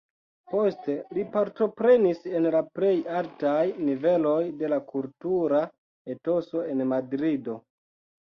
Poste li partoprenis en la plej altaj niveloj de la kultura etoso en Madrido.